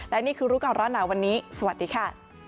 และนี่คือรู้ก่อนร้อนหนาวันนี้สวัสดีค่ะ